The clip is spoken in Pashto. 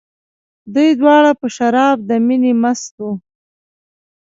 دوی دواړه په شراب د مینې مست وو.